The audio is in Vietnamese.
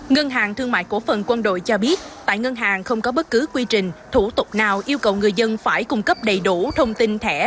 ngân hàng thương mại cổ phần quân đội cho biết tại ngân hàng không có bất cứ quy trình thủ tục nào yêu cầu người dân phải cung cấp đầy đủ thông tin thẻ